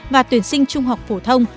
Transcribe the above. và tuyển sinh trung học phổ thông